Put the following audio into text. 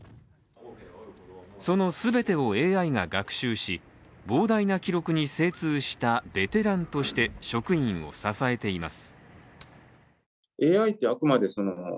その全てをＡＩが学習し、膨大な記録に精通したベテランとして職員を支えています。